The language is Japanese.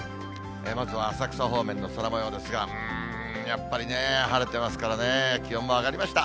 まずは浅草方面の空もようですが、うーん、やっぱりね、晴れてますからね、気温も上がりました。